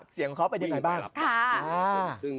เสียงเขาอย่างไรบ้าง